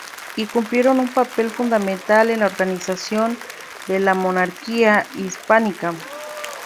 Y cumplieron un papel fundamental en la organización de la Monarquía Hispánica.